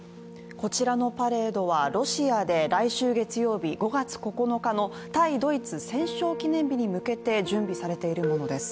こちらのパレードはロシアで来週月曜日、５月９日の対ドイツ戦勝記念日に向けて準備されているものです。